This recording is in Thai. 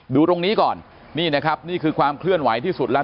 ดูตรงนี้ก่อนนี่นะครับนี่คือความเคลื่อนไหวที่สุดแล้ว